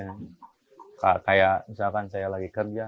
misalkan saya lagi kerja